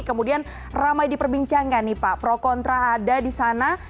kemudian ramai diperbincangkan nih pak pro kontra ada di sana